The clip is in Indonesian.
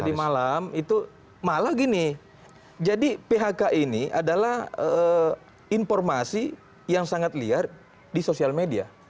tadi malam itu malah gini jadi phk ini adalah informasi yang sangat liar di sosial media